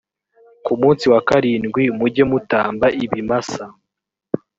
ku munsi wa karindwi mujye mutamba ibimasa